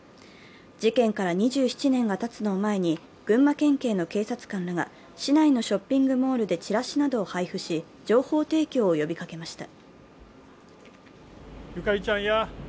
事件から２７年がたつのを前に群馬県警の警察官らが市内のショッピングモールでチラシなどを配布し、情報提供を呼びかけました。